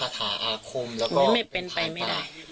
พี่ฝุกเนี่ยใช้คาถาอาคุม